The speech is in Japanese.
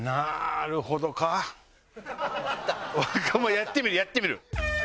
やってみるやってみる。